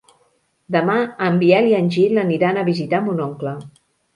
Demà en Biel i en Gil aniran a visitar mon oncle.